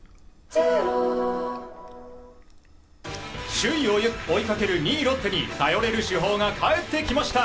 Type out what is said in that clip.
首位を追いかける２位ロッテに頼れる主砲が帰ってきました。